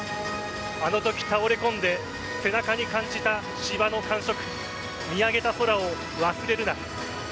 あのとき、倒れ込んで背中に感じた芝の感触見上げた空を忘れるな。